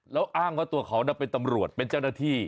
แล้วอ้างว่าตัวเขาเป็นตำรวจเป็นเจ้าหน้าที่